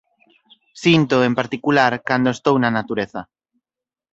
Síntoo en particular cando estou na natureza.